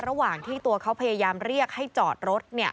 ระหว่างที่ตัวเขาพยายามเรียกให้จอดรถ